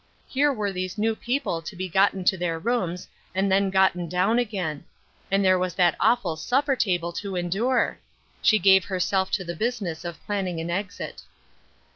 Here were these new people to be gotten to theii rooms, and then gotten down again ; and there was that awful supper table to endure I She gave herself to the business of planning an exiv.